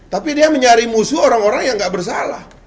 tapi dia mencari musuh orang orang yang nggak bersalah